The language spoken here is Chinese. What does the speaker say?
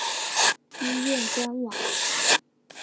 医院官网